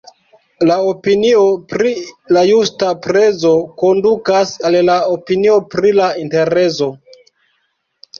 La opinio pri la justa prezo kondukas al la opinio pri la interezo.